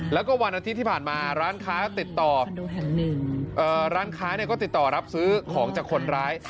แล้วก็วันอาทิตย์ที่ผ่านมาร้านค้าติดต่อร้านค้าก็ติดต่อรับซื้อของจากคนร้าย